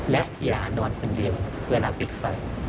และอย่านอนคนเดียวเวลาปิดไฟ